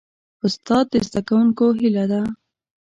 استاد د زدهکوونکو هیله ده.